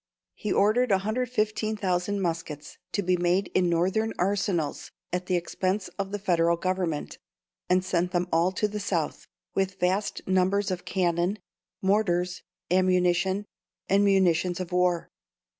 He ordered 115,000 muskets to be made in Northern arsenals at the expense of the Federal Government, and sent them all to the South, with vast numbers of cannon, mortars, ammunition, and munitions of war.